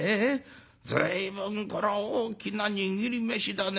随分これは大きな握り飯だね。